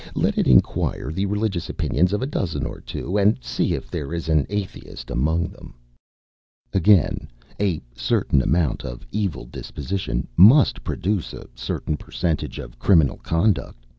Let it inquire the religious opinions of a dozen or two, and see if there is an Atheist among them. Again, a certain amount of evil disposition must produce a certain percentage of criminal conduct.